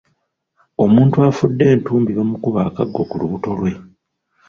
Omuntu afudde entumbi bamukuba akaggo ku lubuto lwe.